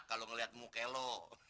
kalau ngeliat muka lo